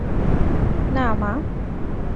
না, মা!